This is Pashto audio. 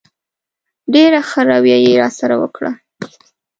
ډېره ښه رویه یې راسره وکړه.